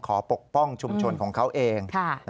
ปกป้องชุมชนของเขาเอง